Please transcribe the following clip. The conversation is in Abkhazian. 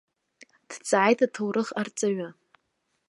Дҵааит аҭоурых арҵаҩы.